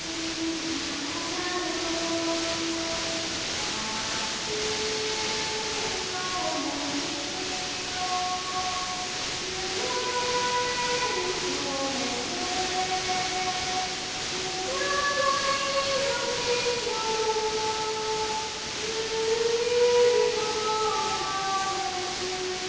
「熱い思ひを胸にこめて」「疑いの霜を冬にもおかせぬ」